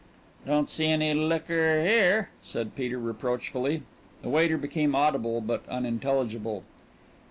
"Don't see any liquor here," said Peter reproachfully. The waiter became audible but unintelligible.